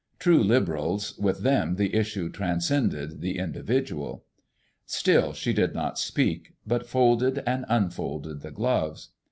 True liberals, with them the issue transcended the individual. Still she did not speak, but folded and unfolded the gloves.